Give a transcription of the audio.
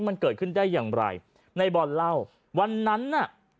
มันเกิดขึ้นได้อย่างไรในบอลเล่าวันนั้นน่ะ